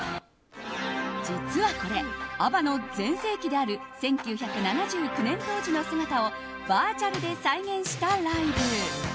実はこれＡＢＢＡの全盛期である１９７９年当時の姿をバーチャルで再現したライブ。